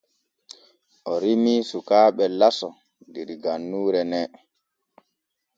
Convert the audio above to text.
O rimii sukaaɓe laso der gannuure ne.